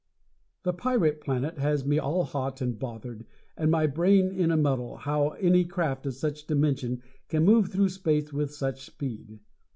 "The Pirate Planet" has me all hot and bothered, and my brain in a muddle how any craft of such dimension can move through space with such speed.